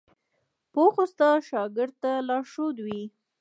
پوخ استاد شاګرد ته لارښود وي